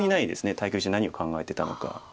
対局中何を考えてたのか。